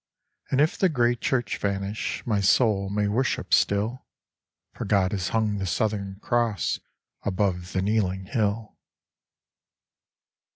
And if the gray church vanish My soul may worship still, For God has hung the Southern Cross Above the kneeling hill.